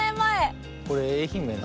これ愛媛の。